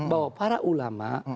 bahwa para ulama